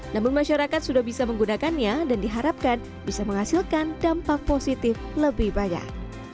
namun masyarakat sudah bisa menggunakannya dan diharapkan bisa menghasilkan dampak positif lebih banyak